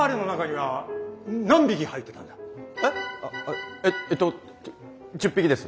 は？ええっと１０匹です。